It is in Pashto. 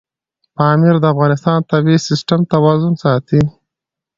پامیر د افغانستان د طبعي سیسټم توازن ساتي.